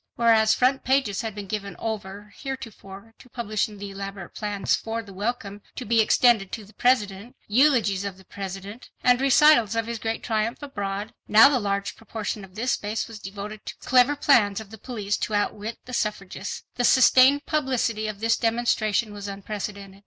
Whereas front pages had been given over heretofore to publishing the elaborate plans for the welcome to be extended to the President, eulogies of the President, and recitals of his great triumph abroad, now the large proportion of this space was devoted to clever plans of the police to outwit the suffragists. The sustained publicity of this demonstration was unprecedented.